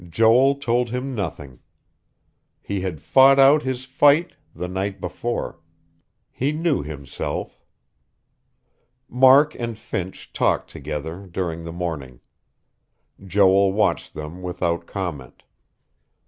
Joel told him nothing. He had fought out his fight the night before; he knew himself.... Mark and Finch talked together, during the morning. Joel watched them without comment.